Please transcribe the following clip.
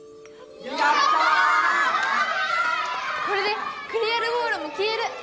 これでクリアル・ウォールもきえる！